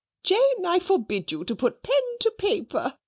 "Jane, I forbid you to put pen to paper!"